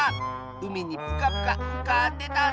うみにプカプカうかんでたんだ！